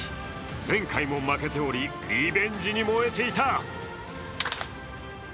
前回も負けており、リベンジに燃えていた。